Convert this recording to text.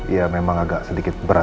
ya memang agak sedikit berat